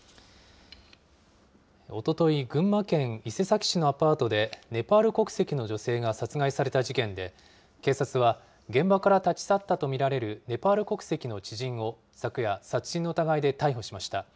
おととい、群馬県伊勢崎市のアパートで、ネパール国籍の女性が殺害された事件で、警察は現場から立ち去ったと見られるネパール国籍の知人を昨夜、殺人の疑いで逮捕しました。